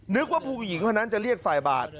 นึกว่าผู้หญิงเท่านั้นจะเรียกสายบาท